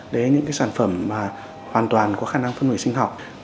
đấy là những sản phẩm hoàn toàn có khả năng phân hủy sinh học